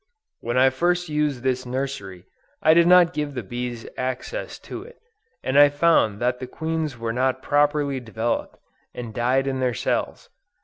When I first used this Nursery, I did not give the bees access to it, and I found that the queens were not properly developed, and died in their cells.